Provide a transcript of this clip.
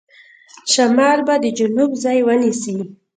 شمال به د جنوب ځای ونیسي.